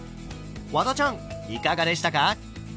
ワダちゃんいかがでしたか？